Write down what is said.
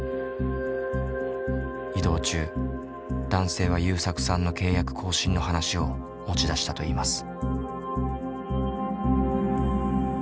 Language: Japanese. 移動中男性はゆうさくさんの契約更新の話を持ち出したといいます。